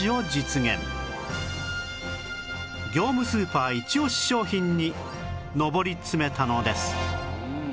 業務スーパーイチオシ商品に上り詰めたのです